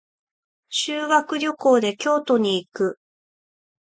修学旅行で京都に行く。